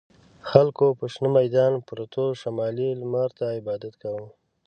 خلکو په شنه میدان پروتو شمالي لمر ته عبادت کاوه.